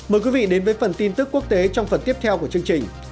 mời quý vị đến với phần tin tức quốc tế trong phần tiếp theo của chương trình